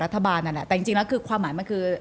นั่นแหละแต่จริงแล้วคือความหมายมันคือ